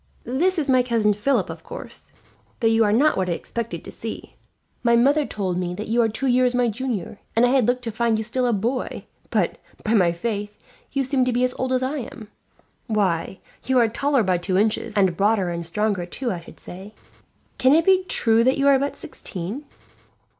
"This is my Cousin Philip, of course; though you are not what I expected to see. My mother told me that you were two years' my junior, and I had looked to find you still a boy; but, by my faith, you seem to be as old as I am. Why, you are taller by two inches, and broader and stronger too, I should say. Can it be true that you are but sixteen?"